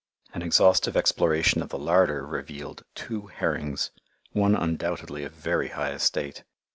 An exhaustive exploration of the larder revealed two herrings, one undoubtedly of very high estate.